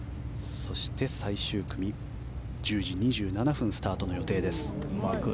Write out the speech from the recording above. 最終組、１０時２７分スタートの予定です。